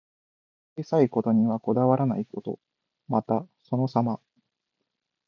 心が広く、小さいことにはこだわらないこと。また、そのさま。